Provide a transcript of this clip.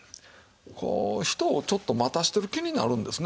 こう人をちょっと待たせてる気になるんですね